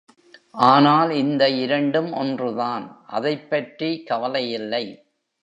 ஆனால் இந்த இரண்டும் ஒன்றுதான்; அதைப் பற்றி கவலையில்லை.